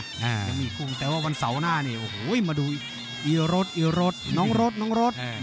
อ่าตี้มีคุ้งแต้ว่าวันเสาร์หน้านี่โอ้โหมาดูน้องโรดน้องโรด